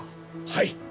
はい。